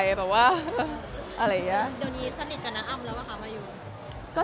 แบบว่าอะไรอย่างนี้